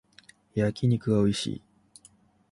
焼き肉がおいしい